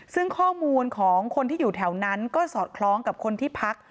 ซึ่งข้อมูลของคนที่อยู่แถวนั้นก็สอดคล้องกับคนที่พัก